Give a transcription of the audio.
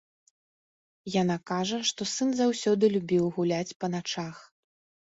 Яна кажа, што сын заўсёды любіў гуляць па начах.